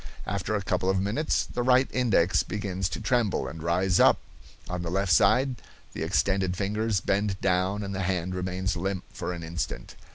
After a couple of minutes the right index begins to tremble and rise up; on the left side the extended fingers bend down, and the hand remains limp for an instant.